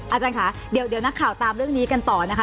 อาจารย์ค่ะเดี๋ยวนักข่าวตามเรื่องนี้กันต่อนะคะ